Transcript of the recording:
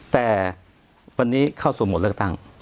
แต่วันนี้เข้าสู่โหมดเลือกตั้ง